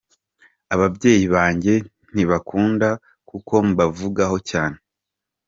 Ababyeyi banjye ntibakunda ko mbavugaho cyane.